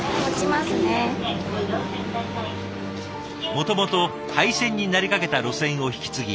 もともと廃線になりかけた路線を引き継ぎ